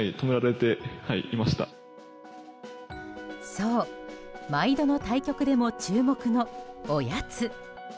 そう、毎度の対局でも注目のおやつ。